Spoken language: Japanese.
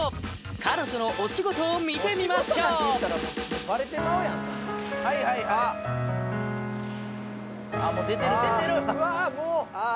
彼女のお仕事を見てみましょうああ